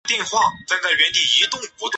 并在国外订购了大门门锁。